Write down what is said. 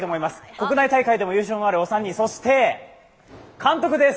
国内大会でも優勝の経験がある３人そして監督です。